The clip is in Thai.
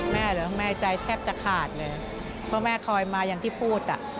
เหรอแม่ใจแทบจะขาดเลยเพราะแม่คอยมาอย่างที่พูดอ่ะ